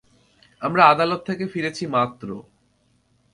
আমরা আদালত থেকে ফিরেছি মাত্র।